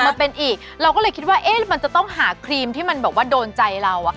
มาเป็นอีกเราก็เลยคิดว่าเอ๊ะมันจะต้องหาครีมที่มันแบบว่าโดนใจเรา